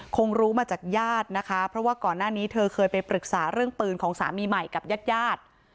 คงรู้มาจากญาตินะคะเพราะว่าก่อนหน้านี้เธอเคยไปปรึกษาเรื่องปืนของสามีใหม่กับญาติญาติ